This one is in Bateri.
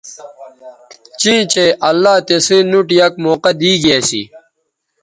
چیں چہء اللہ تسئ نوٹ یک موقعہ دی گی اسی